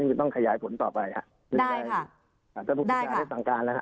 ที่ต้องขยายผลต่อไปค่ะถ้าผู้ชายได้สั่งการนะคะ